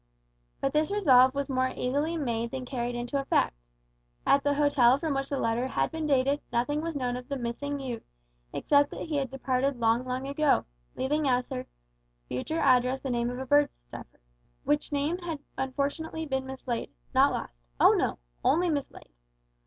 But this resolve was more easily made than carried into effect. At the hotel from which the letter had been dated nothing was known of the missing youth except that he had departed long long ago, leaving as his future address the name of a bird stuffer, which name had unfortunately been mislaid not lost. Oh no only mislaid!